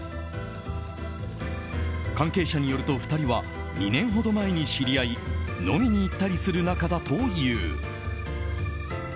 関係者によると、２人は２年ほど前に知り合い飲みに行ったりする仲だという。